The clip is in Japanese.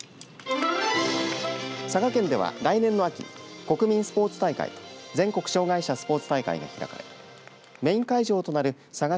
佐賀県では来年の秋国民スポーツ大会と全国障害者スポーツ大会が開かれメイン会場となるＳＡＧＡ